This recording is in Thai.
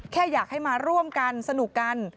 แค่อยากให้มาร่วมกันสนุกกัน